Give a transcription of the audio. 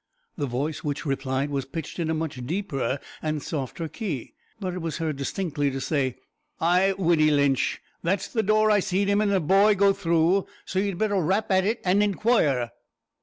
The voice which replied was pitched in a much deeper and softer key, but it was heard distinctly to say, "Ay, widdy Lynch, that's the door I seed him an' a boy go through; so ye'd better rap at it an' inquire."